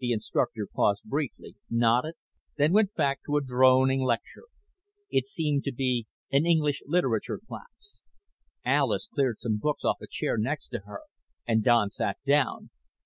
The instructor paused briefly, nodded, then went back to a droning lecture. It seemed to be an English literature class. Alis cleared some books off a chair next to her and Don sat down.